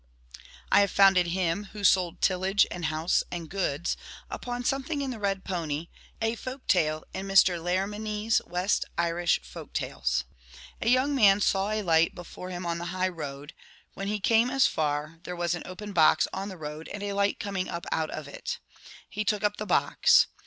' I have founded him ' who sold tillage, and house, and goods,' upon something in * The Red Pony,' a folk tale in Mr. Larminie's * West Irish Folk Tales. ' A young man * saw a light before him on the high road. When he came as far, there was an open box on the road, and a light coming up out of it. He took up the box.